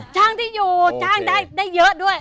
จ้างได้อยู่จ้างได้เยอะด้วย